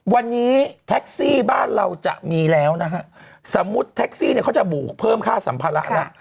วันนี้แท็กซี่บ้านเราจะมีแล้วนะฮะสมมุติแท็กซี่เนี่ยเขาจะบวกเพิ่มค่าสัมภาระแล้ว